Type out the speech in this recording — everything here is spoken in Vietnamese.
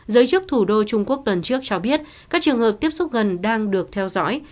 giới chức thủ đô trung quốc tuần trước cho biết các trường hợp tiếp xúc gần đang được theo dõi